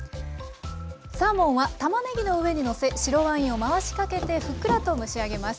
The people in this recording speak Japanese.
サーモンはたまねぎの上にのせ白ワインを回しかけてふっくらと蒸しあげます。